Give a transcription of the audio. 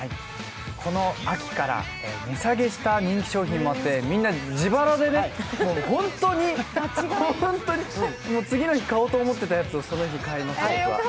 この秋から値下げした人気商品もあってみんな自腹で本当に本当に次の日を買おうと思っていたのをその日、買いました、僕は。